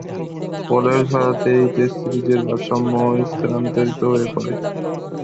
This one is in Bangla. পরের খেলাতেই টেস্ট সিরিজের ভারসাম্য স্থানান্তরিত হয়ে পড়ে।